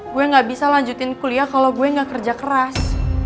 gue gak bisa lanjutin kuliah kalau gue gak kerja keras